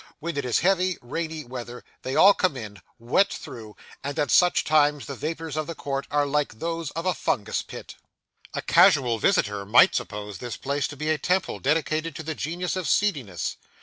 When it is heavy, rainy weather, they all come in, wet through; and at such times the vapours of the court are like those of a fungus pit. A casual visitor might suppose this place to be a temple dedicated to the Genius of Seediness.